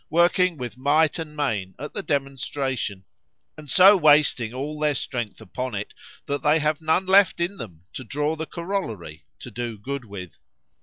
working with might and main at the demonstration, and so wasting all their strength upon it, that they have none left in them to draw the corollary, to do good with.